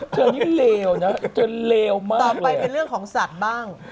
ต่อไปเป็นเรื่องของสัตว์บ้าง